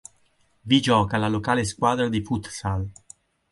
Vi gioca la locale squadra di futsal.